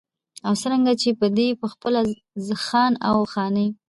او څرنګه چې دى پخپله خان و او خاني